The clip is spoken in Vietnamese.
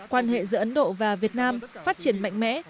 quan hệ giữa ấn độ và việt nam phát triển mạnh mẽ